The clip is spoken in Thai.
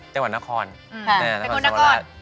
จังหวัดนครนครสวรรค์ศาวราชอืมเป็นคนนคร